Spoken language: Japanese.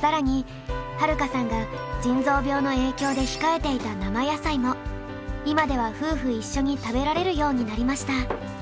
更にはるかさんが腎臓病の影響で控えていた生野菜も今では夫婦一緒に食べられるようになりました。